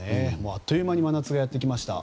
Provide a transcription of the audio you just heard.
あっという間に真夏がやってきました。